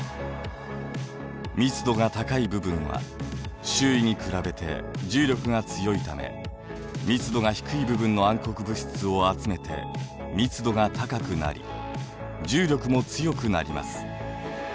密度が高い部分は周囲に比べて重力が強いため密度が低い部分の暗黒物質を集めて密度が高くなり重力も強くなります。